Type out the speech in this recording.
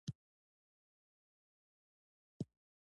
چینایان د سپما کولو عادت لري.